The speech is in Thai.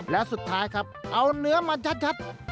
และสุดท้ายครับเอาเนื้อมาชัด